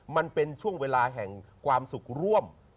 มันเป็นช่วงเวลาแห่งความสุขร่วม